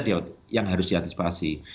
itu saja yang harus diantisipasi